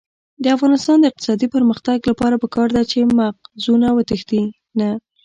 د افغانستان د اقتصادي پرمختګ لپاره پکار ده چې مغزونه وتښتي نه.